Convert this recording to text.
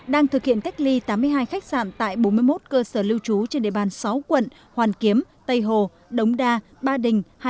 đang thực hiện cách ly tám mươi hai khách sạn tại bốn mươi một cơ sở lưu trú trên địa bàn sáu quận hoàn kiếm tây hồ đống đa ba đình